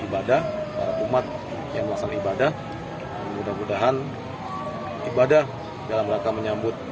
ibadah para umat yang melaksanakan ibadah mudah mudahan ibadah dalam rangka menyambut